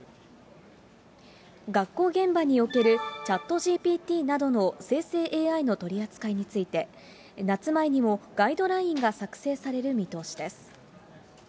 学校現場におけるチャットＧＰＴなどの生成ＡＩの取り扱いについて、夏前にもガイドラインが策定される予定です。